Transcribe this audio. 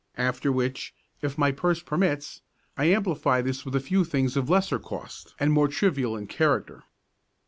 After which, if my purse permits, I amplify this with a few things of lesser cost and more trivial in character.